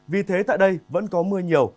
vì thế tại đây vẫn có mưa nhiều